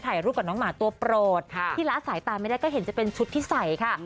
รูปกับน้องหมาตัวโปรดที่ละสายตาไม่ได้ก็เห็นจะเป็นชุดที่ใส่ค่ะ